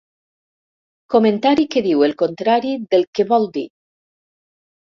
Comentari que diu el contrari del que vol dir.